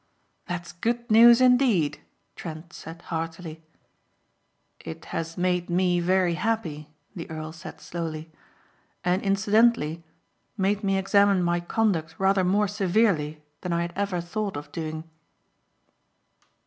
"That's good news indeed," Trent said heartily. "It has made me very happy," the earl said slowly, "and incidentally made me examine my conduct rather more severely than I had ever thought of doing."